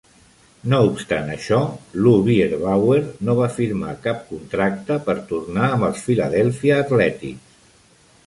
No obstant això, Lou Bierbauer no va firmar cap contracte per tornar amb els Philadelphia Athletics.